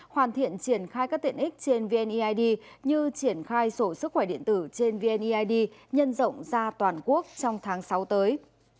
hoàn thiện triển khai các tiện ích trên vneid như triển khai sổ sức khỏe điện tử trên vneid nhân rộng ra toàn quốc trong tháng sáu tới